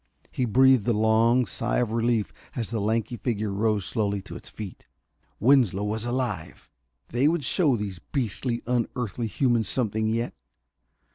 He breathed a long sigh of relief as the lanky figure rose slowly to its feet. Winslow was alive! They would show these beastly, unearthly humans something yet.